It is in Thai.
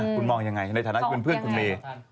คุณมองยังไงในฐานะเป็นเพื่อนคุณเมย์